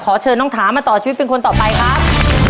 เชิญน้องถามาต่อชีวิตเป็นคนต่อไปครับ